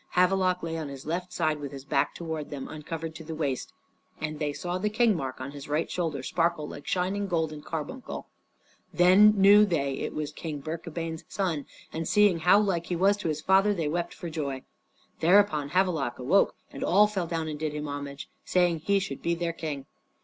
Havelok lay on his left side with his back towards them, uncovered to the waist; and they saw the king mark on his right shoulder sparkle like shining gold and carbuncle. Then knew they that it was King Birkabeyn's son, and seeing how like he was to his father, they wept for joy. Thereupon Havelok awoke, and all fell down and did him homage, saying he should be their king.